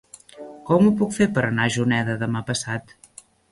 Com ho puc fer per anar a Juneda demà passat?